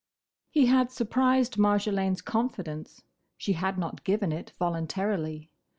He had surprised Marjolaine's confidence: she had not given it voluntarily.